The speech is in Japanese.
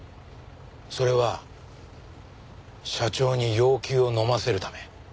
それは社長に要求をのませるため。